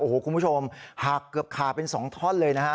โอ้โหคุณผู้ชมหักเกือบขาเป็น๒ท่อนเลยนะฮะ